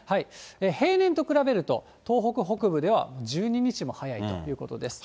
平年と比べると、東北北部では１２日も早いということです。